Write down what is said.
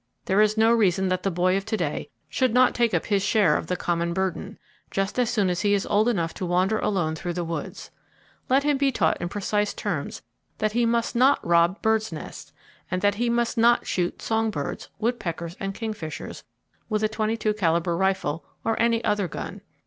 There is no reason that the boy of to day should not take up his share of the common burden, just as soon as he is old enough to wander alone through the woods. Let him be taught in precise terms that he must not rob birds' nests, and that he must not shoot song birds, woodpeckers and kingfishers with a 22 calibre rifle, or any other gun.